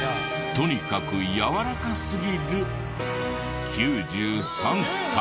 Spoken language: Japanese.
とにかくやわらかすぎる９３歳。